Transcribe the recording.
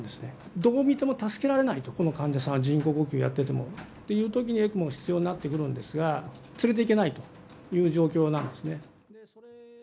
どうみても助けられないと、この患者さんは、人工呼吸をやっていてもというときに、ＥＣＭＯが必要になってくるんですが、連れていけないという状況なんですね。